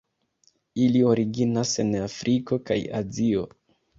Ili originas en Afriko kaj Azio.